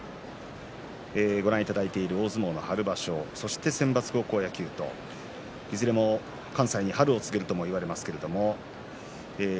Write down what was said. ご覧いただいている大相撲春場所そして選抜高校野球といずれも関西に春を告げるともいわれています。